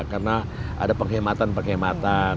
karena ada penghematan penghematan